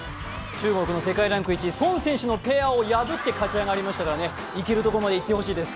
中国の世界ランキング１位、孫選手を破って勝ち上がりましたからね、いけるところまでいってほしいです。